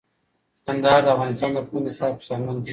کندهار د افغانستان د پوهنې نصاب کې شامل دی.